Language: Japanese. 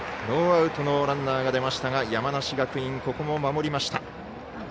ノーアウトのランナーが出ましたが山梨学院、ここも守りました。